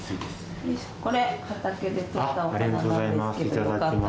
これ畑でとったお花なんですけどよかったら。